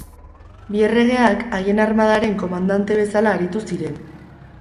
Bi erregeak haien armadaren komandante bezala aritu ziren.